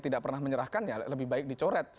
tidak pernah menyerahkan ya lebih baik dicoret